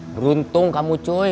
beruntung kamu coy